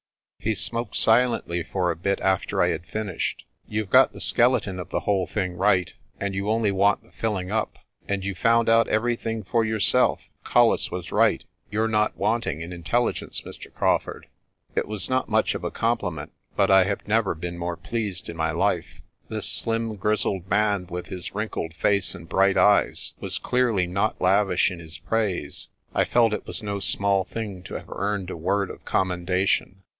He smoked silently for a bit after I had finished. "You've got the skeleton of the whole thing right, and you only want the filling up. And you found out everything for yourself? Colles was right ; you're not wanting in intelli gence, Mr. Crawfurd." It was not much of a compliment, but I have never been more pleased in my life. This slim, grizzled man, with his wrinkled face and bright eyes, was clearly not lavish in his praise. I felt it was no small thing to have earned a word of commendation.